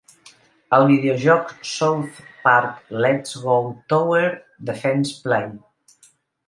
Al videojoc "South Park Let's Go Tower Defense Play!"